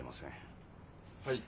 はい。